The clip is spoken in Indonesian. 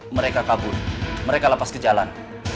mereka kabur mereka lepas ke jalan